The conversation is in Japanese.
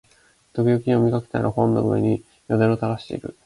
時々読みかけてある本の上に涎をたらしている